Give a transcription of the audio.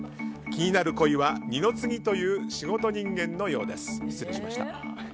気になる恋は二の次という仕事人間のようでした。